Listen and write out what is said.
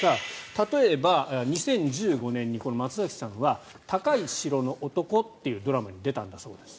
例えば、２０１５年に松崎さんは「高い城の男」っていうドラマに出たんだそうです。